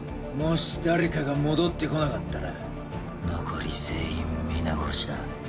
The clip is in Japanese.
もし誰かが戻ってこなかったら残り全員皆殺しだ。